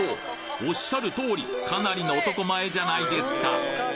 おっしゃる通りかなりの男前じゃないですか！